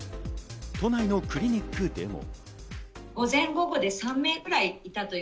都内のクリニックでも。